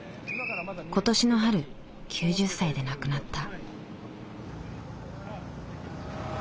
今年の春９０歳で亡くなった。